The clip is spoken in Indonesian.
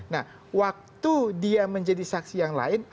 nah waktu dia menjadi saksi yang lain